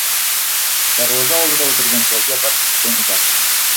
Darvoza oldida o‘tirgan cholga bir so‘m uzatdim.